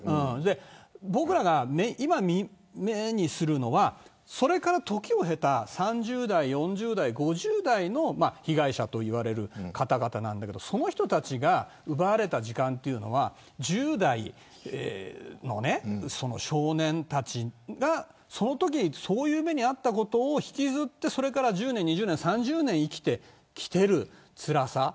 僕らが今、目にするのはそれから時を経た３０代、４０代、５０代の被害者と言われる方々なんだけどその人たちが奪われた時間は１０代の少年たちがそのとき、そういう目に遭ったことを引きずってそれから１０年、２０年、３０年生きてきているつらさ。